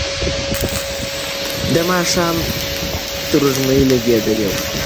د ماښام تروږمۍ لګېدلې وه.